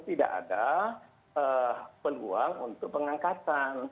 tidak ada peluang untuk pengangkatan